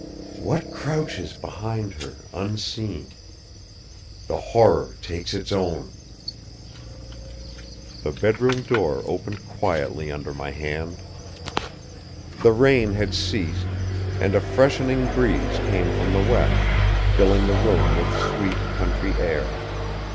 "What crouches behind her, unseen? The Horror takes Its own " The bedroom door opened quietly under my hand. The rain had ceased and a freshening breeze came from the west, filling the room with sweet country air.